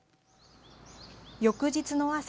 翌日の朝。